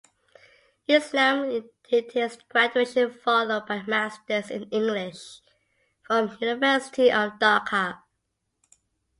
Islam did his Graduation followed by Masters in "English" from University of Dhaka.